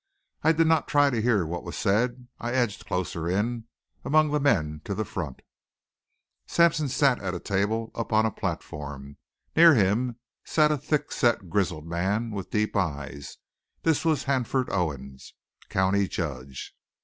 I did not try to hear what was said. I edged closer in, among the men to the front. Sampson sat at a table up on a platform. Near him sat a thick set grizzled man, with deep eyes; and this was Hanford Owens, county judge.